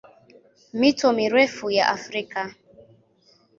Mito mirefu ya Afrika